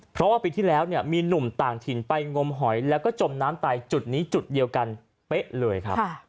เพราะว่าปีที่แล้วเนี่ยมีหนุ่มต่างถิ่นไปงมหอยแล้วก็จมน้ำตายจุดนี้จุดเดียวกันเป๊ะเลยครับ